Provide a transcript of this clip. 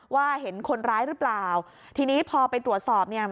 เห็นคนร้ายหรือเปล่าทีนี้พอไปตรวจสอบเนี่ย